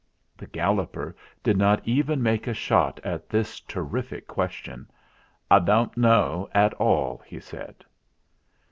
The Galloper did not even make a shot at this terrific question. "I doan't knaw at all," he said.